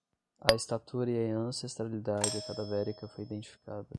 A estatura e a ancestralidade cadavérica foi identificada